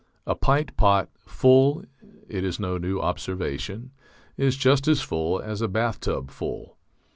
A pint pot, full (it is no new observation), is just as full as a bathtub full.